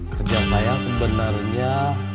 kerja saya sebenarnya